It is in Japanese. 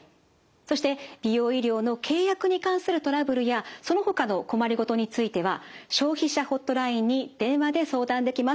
そして美容医療の契約に関するトラブルやそのほかの困り事については消費者ホットラインに電話で相談できます。